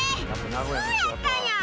そうやったんや！